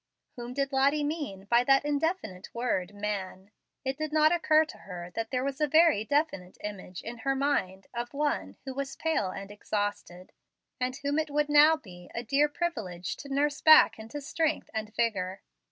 Whom did Lottie mean by that indefinite word "man"? It did not occur to her that there was a very definite image in her mind of one who was pale and exhausted, and whom it would now be a dear privilege to nurse back into strength and vigor.